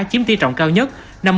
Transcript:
chiếm tỉ trọng cao nhất năm mươi năm